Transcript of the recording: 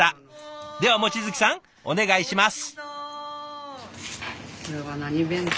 では望月さんお願いします！